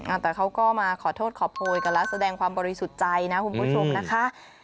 แต่เขาก็มาขอโทษขอโพยกันแล้วแสดงความบริสุทธิ์ใจนะคุณผู้ชมนะคะ